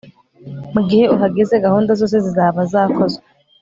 mugihe uhageze, gahunda zose zizaba zakozwe